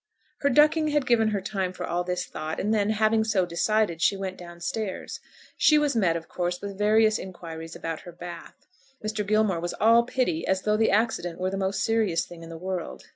Her ducking had given her time for all this thought; and then, having so decided, she went downstairs. She was met, of course, with various inquiries about her bath. Mr. Gilmore was all pity, as though the accident were the most serious thing in the world.